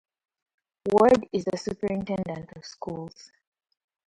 Ward is the Superintendent of Schools.